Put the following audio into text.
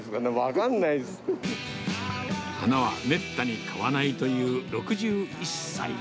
って、花はめったに買わないという６１歳。